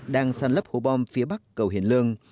đang san lấp hố bom phía bắc cầu hiền lương